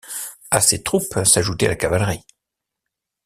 À ces troupes, s'ajoutait la cavalerie.